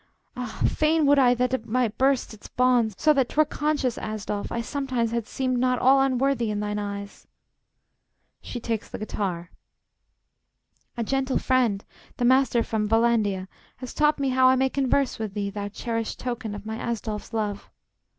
Ah! fain Would I that it might burst its bonds, so that 'Twere conscious, Asdolf, I sometimes had seemed Not all unworthy in thine eyes. [She takes the guitar.] A gentle friend the Master from Vallandia Has taught me how I may converse with thee, Thou cherished token of my Asdolf's love!